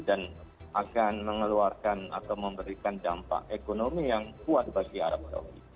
dan akan mengeluarkan atau memberikan dampak ekonomi yang kuat bagi arab saudi